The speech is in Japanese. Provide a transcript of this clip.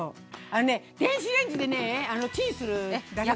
あのね電子レンジでねチンするだけ。